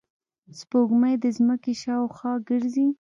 سپوږمۍ د ځمکې شاوخوا ګرځي